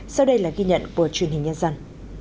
sau đây là ghi nhận của truyền hình nhân dân